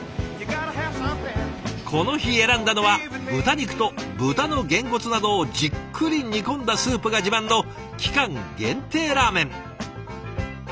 この日選んだのは豚肉と豚のゲンコツなどをじっくり煮込んだスープが自慢の期間限定ラーメン。